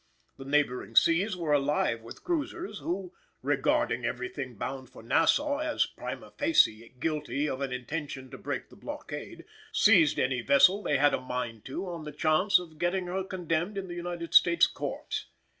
The neighbouring seas were alive with cruisers who, regarding everything bound for Nassau as primâ facie guilty of an intention to break the blockade, seized any vessel they had a mind to on the chance of getting her condemned in the United States Courts.